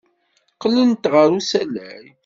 Qqlent ɣer usalay.